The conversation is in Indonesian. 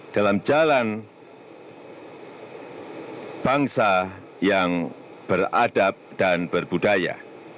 dalam jalan bangsa yang beradab dan berbudaya